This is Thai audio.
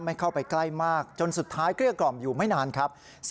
ไม่เข้าไปใกล้มากจนสุดท้ายเกลี้ยกล่อมอยู่ไม่นานครับ